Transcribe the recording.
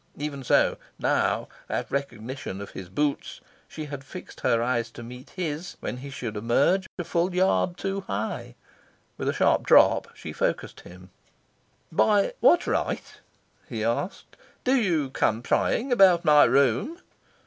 Even so now, at recognition of his boots, she had fixed her eyes to meet his, when he should emerge, a full yard too high. With a sharp drop she focussed him. "By what right," he asked, "do you come prying about my room?"